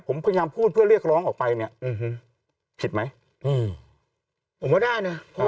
ผมพยายามพูดเพื่อเรียกร้องออกไปเนี่ยผิดไหมผมว่าได้นะ